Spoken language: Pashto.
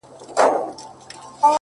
هغه د بل د كور ډېوه جوړه ده”